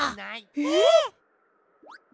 えっ！